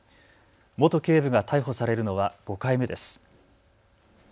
元警部が逮捕されるのは５回目です。